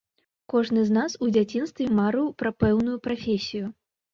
Кожны з нас у дзяцінстве марыў пра пэўную прафесію.